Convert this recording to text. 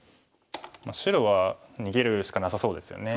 白は逃げるしかなさそうですよね。